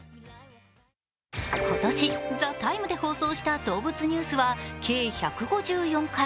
今年「ＴＨＥＴＩＭＥ，」で放送した動物ニュースは計１５４回。